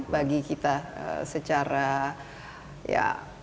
bagi kita secara ya